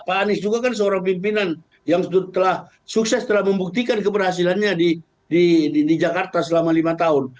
pak anies juga kan seorang pimpinan yang sukses telah membuktikan keberhasilannya di jakarta selama lima tahun